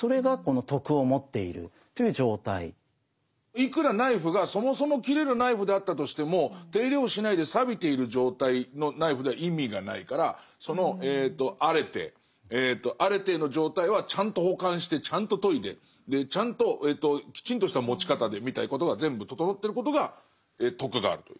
いくらナイフがそもそも切れるナイフであったとしても手入れをしないでさびている状態のナイフでは意味がないからそのアレテーアレテーの状態はちゃんと保管してちゃんと研いでちゃんときちんとした持ち方でみたいなことが全部整ってることが「徳がある」という。